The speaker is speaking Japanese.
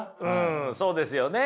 そうですよね。